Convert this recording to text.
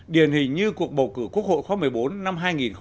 điển hình như cuộc bầu cử quốc hội khóa một mươi bốn năm hai nghìn một mươi bốn